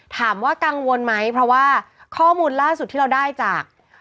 ถามว่ากังวลไหมเพราะว่าข้อมูลล่าสุดที่เราได้จาก